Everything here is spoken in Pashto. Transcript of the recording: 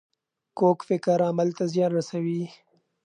کوږ فکر عمل ته زیان رسوي